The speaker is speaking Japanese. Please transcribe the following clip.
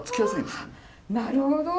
なるほど。